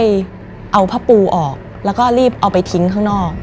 ไปเอาผ้าปูออกแล้วก็รีบเอาไปทิ้งข้างนอก